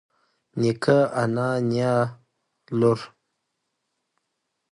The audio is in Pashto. نيکه انا نيا لور